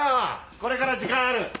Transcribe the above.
これから時間ある？